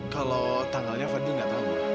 kalau tanggalnya fadil gak tahu ma